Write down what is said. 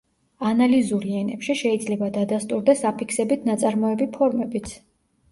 ანალიზური ენებში შეიძლება დადასტურდეს აფიქსებით ნაწარმოები ფორმებიც.